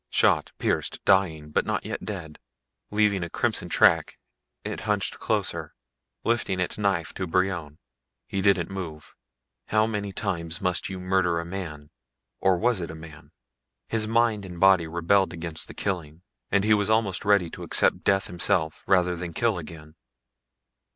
Shot, pierced, dying, but not yet dead. Leaving a crimson track, it hunched closer, lifting its knife to Brion. He didn't move. How many times must you murder a man? Or was it a man? His mind and body rebelled against the killing, and he was almost ready to accept death himself, rather than kill again.